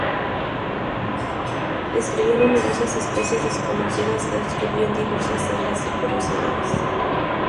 Describió numerosas especies desconocidas que descubrió en diversas "salas de curiosidades".